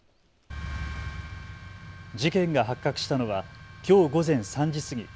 事件が発覚したのはきょう午前３時過ぎ。